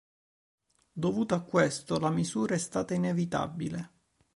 Dovuto a questo, la misura è stata inevitabile.